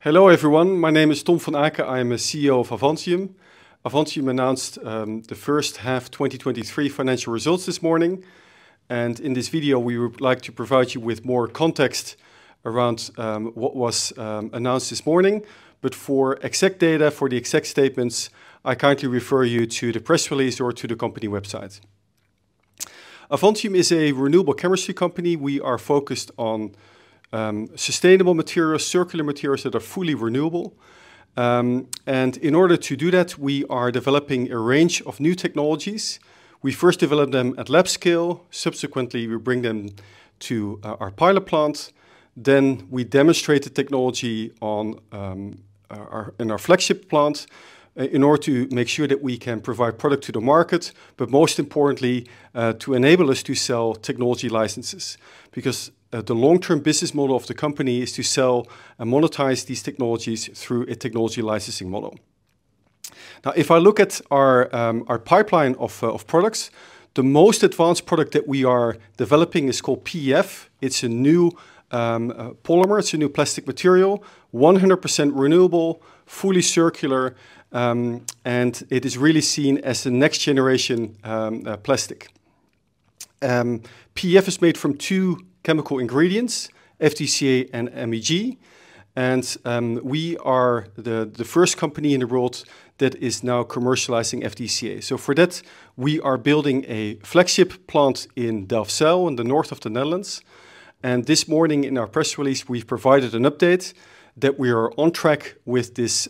Hello, everyone. My name is Tom van Aken. I am a CEO of Avantium. Avantium announced the first half 2023 financial results this morning, and in this video, we would like to provide you with more context around what was announced this morning. For exact data, for the exact statements, I kindly refer you to the press release or to the company website. Avantium is a renewable chemistry company. We are focused on sustainable materials, circular materials that are fully renewable. In order to do that, we are developing a range of new technologies. We first develop them at lab scale. Subsequently, we bring them to our pilot plant. We demonstrate the technology on our, in our flagship plant, in order to make sure that we can provide product to the market, but most importantly, to enable us to sell technology licenses. The long-term business model of the company is to sell and monetize these technologies through a technology licensing model. If I look at our pipeline of products, the most advanced product that we are developing is called PEF. It's a new polymer. It's a new plastic material, 100% renewable, fully circular, and it is really seen as a next generation plastic. PEF is made from two chemical ingredients, FDCA and MEG, and we are the first company in the world that is now commercializing FDCA. For that, we are building a flagship plant in Delfzijl, in the north of the Netherlands. This morning in our press release, we've provided an update that we are on track with this,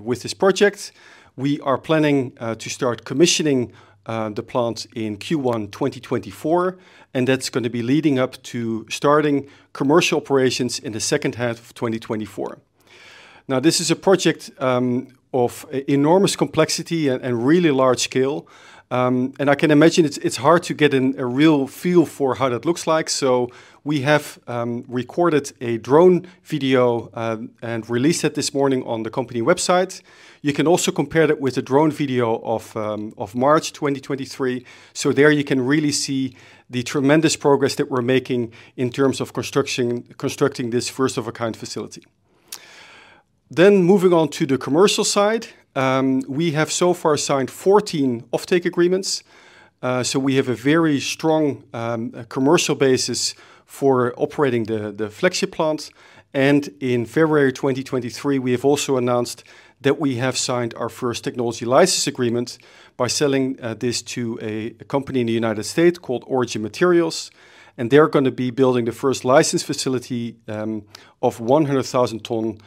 with this project. We are planning to start commissioning the plant in Q1 2024, and that's going to be leading up to starting commercial operations in the second half of 2024. Now, this is a project of enormous complexity and, and really large scale, and I can imagine it's, it's hard to get a real feel for how that looks like, so we have recorded a drone video and released it this morning on the company website. You can also compare that with a drone video of March 2023. There you can really see the tremendous progress that we're making in terms of construction, constructing this first-of-a-kind facility. Moving on to the commercial side, we have so far signed 14 offtake agreements, so we have a very strong commercial basis for operating the flagship plant. In February 2023, we have also announced that we have signed our first technology license agreement by selling this to a company in the United States called Origin Materials, and they're gonna be building the first licensed facility of 100,000 ton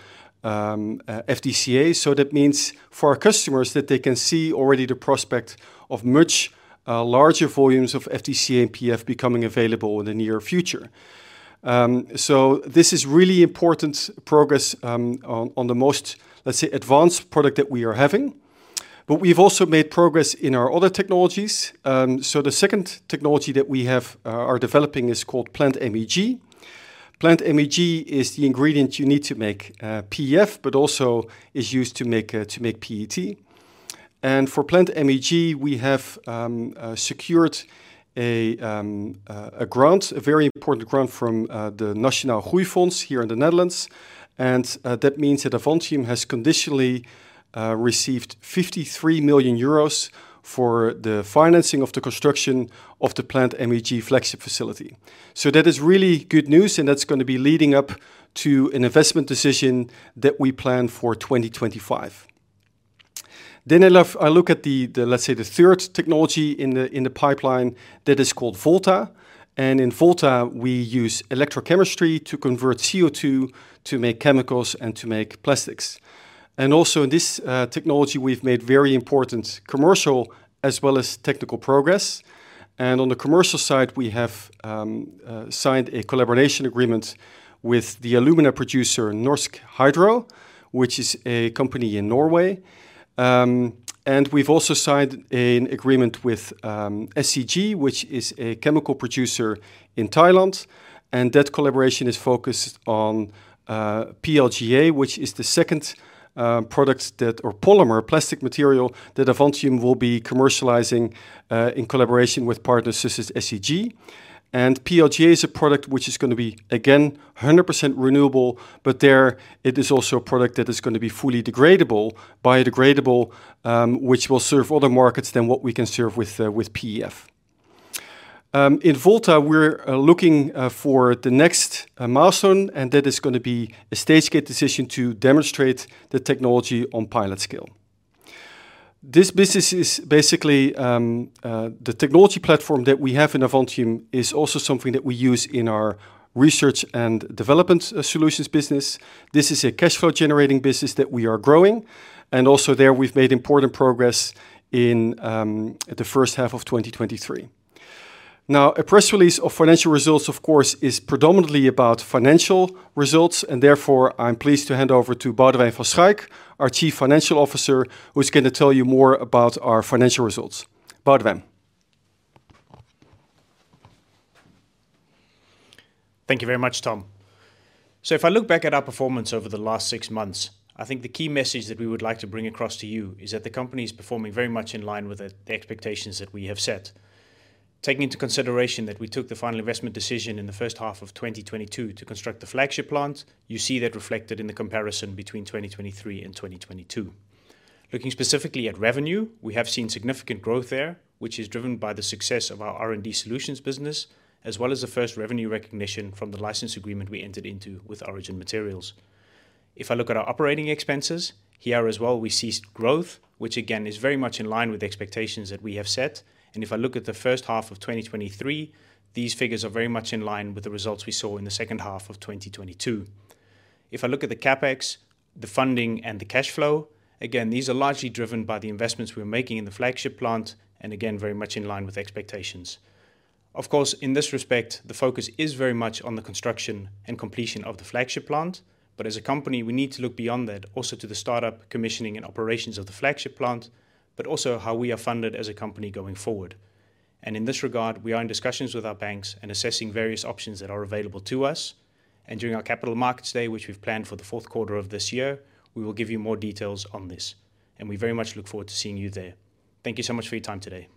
FDCA. That means for our customers that they can see already the prospect of much larger volumes of FDCA and PEF becoming available in the near future. This is really important progress on the most, let's say, advanced product that we are having. We've also made progress in our other technologies. The second technology that we have, are developing is called PlantMEG. PlantMEG is the ingredient you need to make PEF, but also is used to make PET. For PlantMEG, we have secured a grant, a very important grant from the Nationaal Groeifonds here in the Netherlands, and that means that Avantium has conditionally received 53 million euros for the financing of the construction of the PlantMEG flagship facility. That is really good news, and that's gonna be leading up to an investment decision that we plan for 2025. I look at the, let's say, the third technology in the pipeline that is called Volta, and in Volta, we use electrochemistry to convert CO2 to make chemicals and to make plastics. Also in this technology, we've made very important commercial as well as technical progress. On the commercial side, we have signed a collaboration agreement with the alumina producer, Norsk Hydro, which is a company in Norway. We've also signed an agreement with SCG, which is a chemical producer in Thailand, and that collaboration is focused on PLGA, which is the second product that or polymer plastic material that Avantium will be commercializing in collaboration with partners such as SCG. PLGA is a product which is gonna be, again, 100% renewable, but there it is also a product that is gonna be fully degradable, biodegradable, which will serve other markets than what we can serve with PEF. In Volta, we're looking for the next milestone, and that is gonna be a stage-gate decision to demonstrate the technology on pilot scale. This business is basically the technology platform that we have in Avantium is also something that we use in our research and development solutions business. This is a cash flow generating business that we are growing, and also there, we've made important progress in the first half of 2023. Now, a press release of financial results, of course, is predominantly about financial results, and therefore, I'm pleased to hand over to Boudewijn van Schaik, our Chief Financial Officer, who is gonna tell you more about our financial results. Boudewijn? Thank you very much, Tom. If I look back at our performance over the last 6 months, I think the key message that we would like to bring across to you is that the company is performing very much in line with the expectations that we have set. Taking into consideration that we took the final investment decision in the first half of 2022 to construct the flagship plant, you see that reflected in the comparison between 2023 and 2022. Looking specifically at revenue, we have seen significant growth there, which is driven by the success of our R&D solutions business, as well as the first revenue recognition from the license agreement we entered into with Origin Materials. If I look at our operating expenses, here as well, we see growth, which again, is very much in line with the expectations that we have set. If I look at the first half of 2023, these figures are very much in line with the results we saw in the second half of 2022. If I look at the CapEx, the funding, and the cash flow, again, these are largely driven by the investments we're making in the flagship plant, and again, very much in line with expectations. Of course, in this respect, the focus is very much on the construction and completion of the flagship plant, but as a company, we need to look beyond that also to the startup, commissioning, and operations of the flagship plant, but also how we are funded as a company going forward. In this regard, we are in discussions with our banks and assessing various options that are available to us. During our Capital Markets Day, which we've planned for the Q4 of this year, we will give you more details on this, and we very much look forward to seeing you there. Thank you so much for your time today.